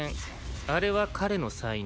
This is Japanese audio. あれは彼の才能。